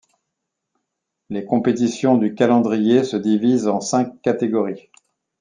Les compétitions du calendrier se divisent en cinq catégories.